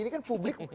ini kan publik